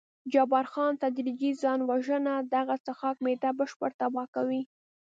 جبار خان: تدریجي ځان وژنه، دغه څښاک معده بشپړه تباه کوي.